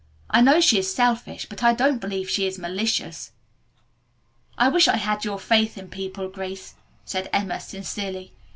I know she is selfish, but I don't believe she is malicious." "I wish I had your faith in people, Grace," said Emma sincerely.